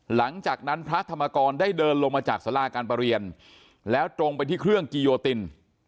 หลังจากนั้นพระธรรมกรได้เดินลงมาจากสาราการประเรียนแล้วตรงไปที่เครื่องกิโยติน